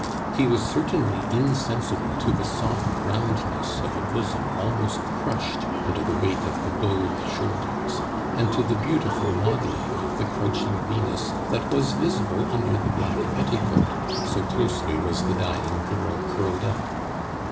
He was certainly insensible to the soft roundness of a bosom almost crushed under the weight of the bowed shoulders, and to the beautiful modeling of the crouching Venus that was visible under the black petticoat, so closely was the dying girl curled up.